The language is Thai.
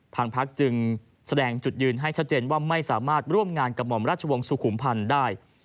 พักจึงแสดงจุดยืนให้ชัดเจนว่าไม่สามารถร่วมงานกับหม่อมราชวงศ์สุขุมพันธ์ได้